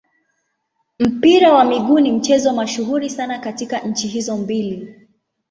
Mpira wa miguu ni mchezo mashuhuri sana katika nchi hizo mbili.